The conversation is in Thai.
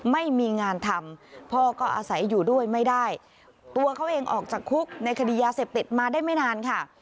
ไม่มีงานทำพ่อก็อาศัยอยู่ด้วยไม่ได้ตัวเขาเองออกจากคุกในคดียาเสพติดมาได้ไม่นานค่ะ